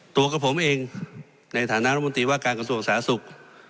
ตัวกับผมเองในฐานะรัฐมนตรีว่าการกระทรวงสาธารณสุข